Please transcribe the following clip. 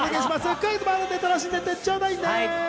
クイズも楽しんでいってちょうだいね！